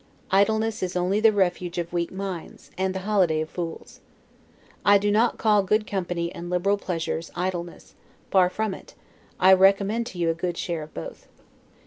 Idleness is only the refuge of weak minds, and the holiday of fools. I do not call good company and liberal pleasures, idleness; far from it: I recommend to you a good share of both.